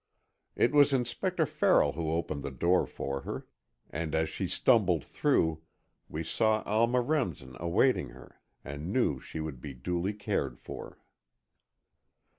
It was Inspector Farrell who opened the door for her, and as she stumbled through, we saw Alma Remsen awaiting her, and knew she would be duly cared for.